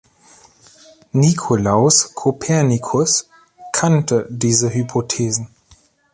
Nicolaus Copernicus kannte diese Hypothesen.